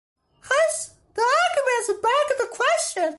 Hence, the arguments beg the question.